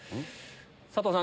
佐藤さん